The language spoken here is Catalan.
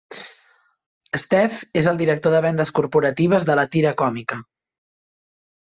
Stef és el director de vendes corporatives de la tira còmica.